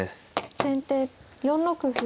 先手４六歩。